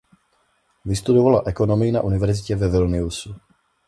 Vystudovala ekonomii na univerzitě ve Vilniusu.